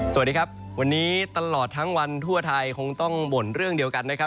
สวัสดีครับวันนี้ตลอดทั้งวันทั่วไทยคงต้องบ่นเรื่องเดียวกันนะครับ